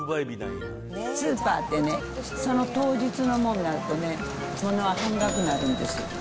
スーパーってね、その当日のものになるとね、半額になるんです。